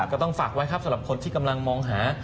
ก็ต้องฝากไว้ครับสำหรับคนที่กำลังมองหา